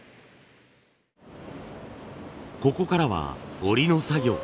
ここからは織りの作業。